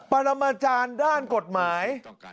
ปรมาจารย์ด้านกฎหมาย